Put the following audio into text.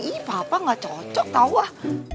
ih papa gak cocok tau ah